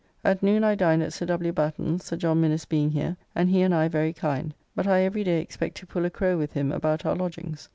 At noon I dined at Sir W. Batten's, Sir John Minnes being here, and he and I very kind, but I every day expect to pull a crow with him about our lodgings.